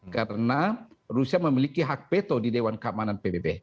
karena rusia memiliki hak peto di dewan keamanan pbb